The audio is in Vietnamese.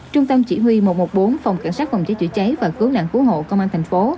trung tâm chỉ huy một trăm một mươi bốn phòng cảnh sát phòng chế chữa cháy và cứu nạn cứu hộ công an tp